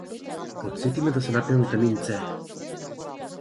Потсети ме да се напијам витамин ц.